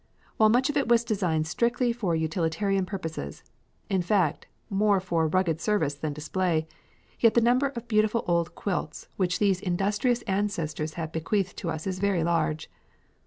While much of it was designed strictly for utilitarian purposes in fact, more for rugged service than display, yet the number of beautiful old quilts which these industrious ancestors have bequeathed to us is very large.